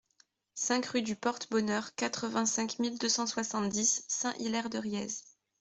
cinq rue du Porte-Bonheur, quatre-vingt-cinq mille deux cent soixante-dix Saint-Hilaire-de-Riez